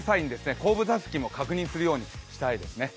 後部座席も確認するようにしたいですね。